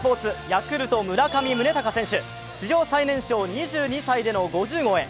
ヤクルト・村上宗隆選手、史上最年少２２歳での５０号へ。